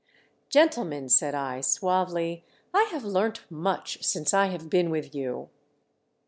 "Gentlemen,^ said I, suavely. "I have learnt much since I have been with you."